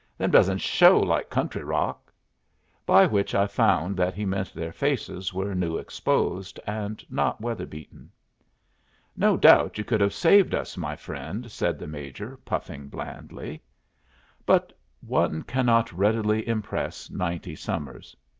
Them doesn't show like country rock;" by which I found that he meant their faces were new exposed and not weather beaten. "No doubt you could have saved us, my friend," said the Major, puffing blandly. But one cannot readily impress ninety summers.